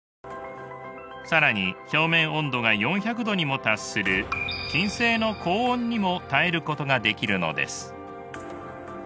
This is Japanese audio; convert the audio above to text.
更に表面温度が４００度にも達する金星の高温にも耐えることができるのです。